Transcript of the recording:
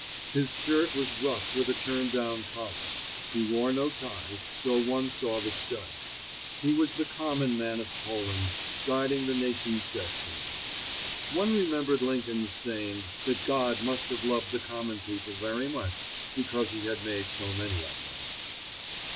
His shirt was rough with a turn down collar; he wore no tie, so one saw the stud. He was the common man of Poland, guiding the nation's destinies. One remembered Lincoln's saying, that God must have loved the common people very much because He had made so many of them.